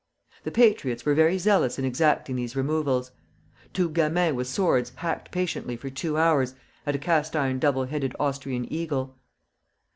The patriots were very zealous in exacting these removals. Two gamins with swords hacked patiently for two hours at a cast iron double headed Austrian eagle.